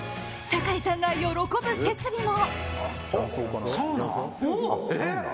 酒井さんが喜ぶ設備も。